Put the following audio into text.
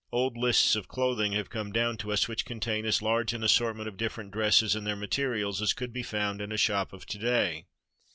Old lists of clothing have come down to us which contain as large an assortment of different dresses and their materials as could be found in a shop of to day.